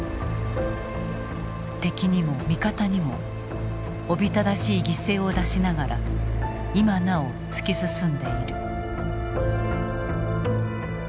敵にも味方にもおびただしい犠牲を出しながら今なお突き進んでいる。